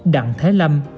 đặng thế lâm